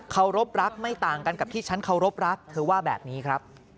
เขารบรักไม่ต่างกันกับที่ฉันเคารพรักเธอว่าแบบนี้ครับ